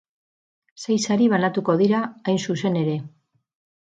Sei sari banatuko dira, hain zuzen ere.